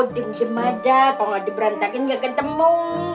dimusim aja kok gak diberantakin gak ketemu